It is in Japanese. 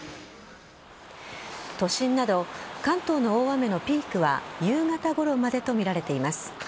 都心など、関東の大雨のピークは夕方ごろまでとみられています。